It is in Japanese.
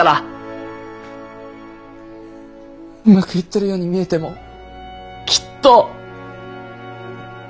うまくいってるように見えてもきっと。